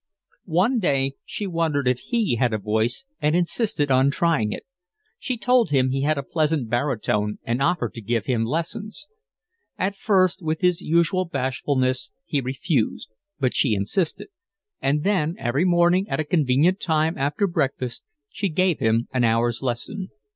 One day she wondered if he had a voice and insisted on trying it. She told him he had a pleasant baritone and offered to give him lessons. At first with his usual bashfulness he refused, but she insisted, and then every morning at a convenient time after breakfast she gave him an hour's lesson.